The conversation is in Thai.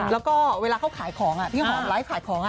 แล้วก็เวลาเขาขายของพี่หอมไลฟ์ขายของ